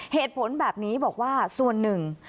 เหตุผลแบบนี้บอกว่าส่วนหนึ่ง